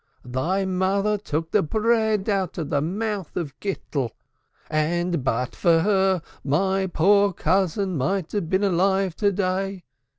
Thy mother took the bread out of the mouth of Gittel, and but for her my poor cousin might have been alive to day.